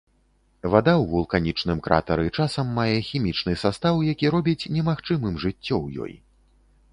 Вада ў вулканічным кратары часам мае хімічны састаў, які робіць немагчымым жыццё ў ёй.